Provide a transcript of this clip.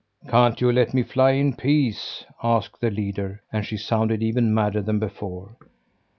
"Can't you let me fly in peace?" asked the leader, and she sounded even madder than before.